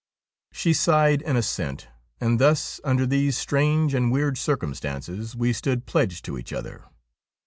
She sighed an assent, and thus, under these strange and weird circumstances, we stood pledged to each other.